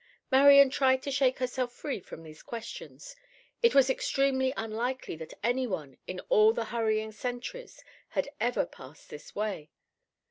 Marian tried to shake herself free from these questions. It was extremely unlikely that any one, in all the hurrying centuries, had ever passed this way.